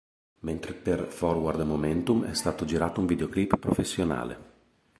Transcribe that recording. Mentre, per "Forward Momentum" è stato girato un videoclip professionale.